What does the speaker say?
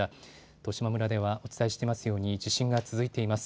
十島村では、お伝えしていますように地震が続いています。